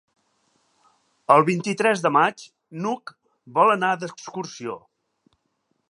El vint-i-tres de maig n'Hug vol anar d'excursió.